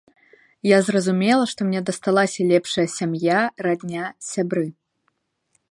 Я зразумела, што мне дасталася лепшая сям'я, радня, сябры.